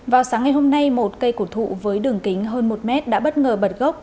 vào sáng ngày hôm nay một cây cổ thụ với đường kính hơn một mét đã bất ngờ bật gốc